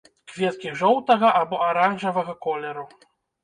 Кветкі жоўтага або аранжавага колеру.